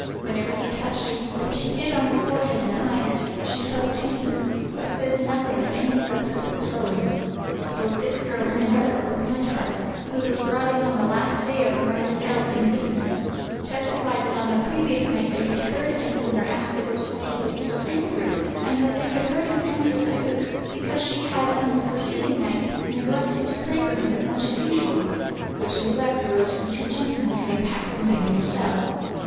Whenever he touched her, which he did on the forehead and eyes, she felt pain, but says nothing of any subsequent swelling. Both this girl and another, called Neidhardt, who was brought in on the last day of Margaret L——'s imprisonment, testified that on the previous night they had heard Eslinger ask the ghost why he looked so angry; and that they had heard him answer that it was "because she had on the preceding night neglected to pray for him as much as usual," which neglect arose from two gentlemen having passed the night in the cell.